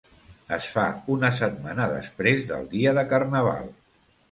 Es fa una setmana després del dia de Carnaval.